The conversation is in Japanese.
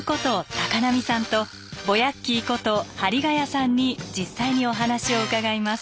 高波さんとボヤッキーこと針ヶ谷さんに実際にお話を伺います。